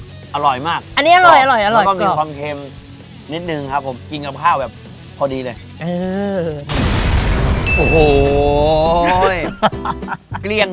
ถ้าไม่เกล้งใจคุณผู้ชมว่าเราจะต้องไปถ่ายกันต่อด้วยนะ